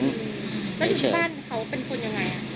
อยู่บ้านเขาเป็นคนอย่างไร